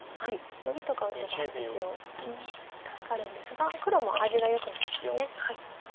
ノビとか打てば一応助かるんですが黒も味がよくなります。